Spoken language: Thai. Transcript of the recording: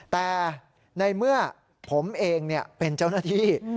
แต่ในเมื่อผมเองเป็นเจ้าหน้าที่